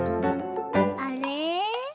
あれ？